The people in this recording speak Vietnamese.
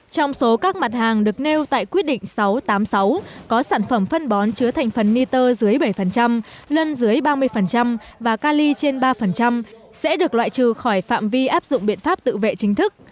trong số các mặt hàng được nêu tại quyết định sáu trăm tám mươi sáu có sản phẩm phân bón chứa thành phần niter dưới bảy lân dưới ba mươi và cali trên ba sẽ được loại trừ khỏi phạm vi áp dụng biện pháp tự vệ chính thức